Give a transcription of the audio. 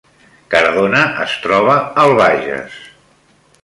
Cardona es troba al Bages